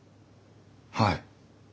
はい。